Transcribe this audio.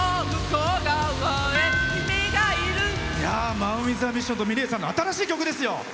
ＭＡＮＷＩＴＨＡＭＩＳＳＩＯＮとｍｉｌｅｔさんの新しい曲ですよ。